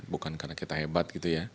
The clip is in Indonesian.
bukan karena kita hebat